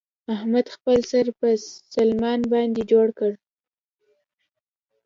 احمد خپل سر په سلمان باندې جوړ کړ.